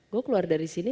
gue keluar dari sini